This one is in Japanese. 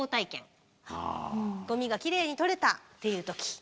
ゴミがきれいに取れたっていう時。